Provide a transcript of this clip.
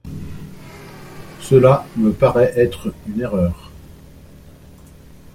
Cela me paraît être une erreur.